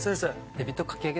エビとかき揚げ。